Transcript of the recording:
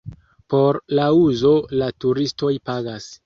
Por la uzo la turistoj pagas.